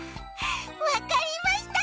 わかりました！